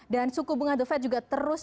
dan suku bunga duvet juga terus